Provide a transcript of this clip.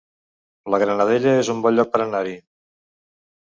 La Granadella es un bon lloc per anar-hi